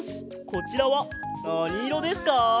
こちらはなにいろですか？